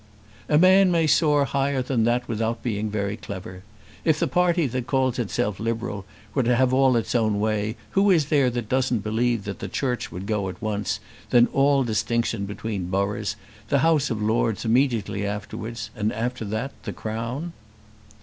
"A man may soar higher than that without being very clever. If the party that calls itself Liberal were to have all its own way who is there that doesn't believe that the church would go at once, then all distinction between boroughs, the House of Lords immediately afterwards, and after that the Crown?"